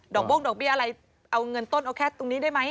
โบ้งดอกเบี้ยอะไรเอาเงินต้นเอาแค่ตรงนี้ได้ไหม